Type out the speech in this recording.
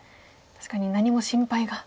確かに何も心配が。